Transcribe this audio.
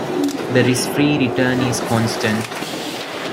The risk-free return is constant.